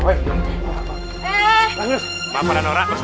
jangan pada norak nih